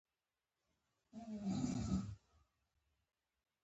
انسان د میلیونونو کلونو په اوږدو کې نننۍ بڼې ته رارسېدلی.